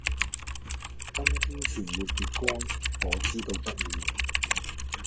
今天全沒月光，我知道不妙。